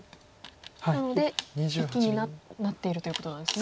なので生きになっているということなんですね。